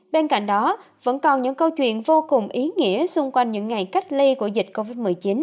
bên cạnh đó vẫn còn những câu chuyện vô cùng ý nghĩa xung quanh những ngày cách ly của dịch covid một mươi chín